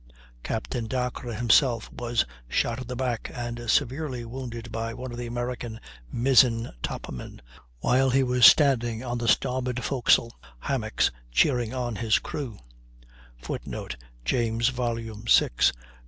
Captain Dacres himself was shot in the back and severely wounded by one of the American mizzen topmen, while he was standing on the starboard forecastle hammocks cheering on his crew [Footnote: James, vi, 144.